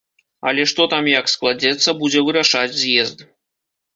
Але што там як складзецца, будзе вырашаць з'езд.